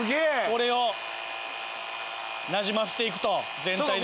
これをなじませていくと全体的に。